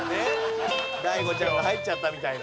大悟ちゃんは入っちゃったみたいな。